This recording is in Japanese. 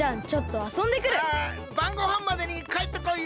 あばんごはんまでにかえってこいよ！